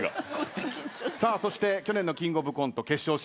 そして去年のキングオブコント決勝進出